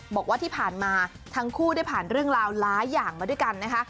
บอกว่าที่ผ่านมาทั้งคู่ได้ผ่านเรื่องราวหลายอย่างมาด้วยกันนะคะ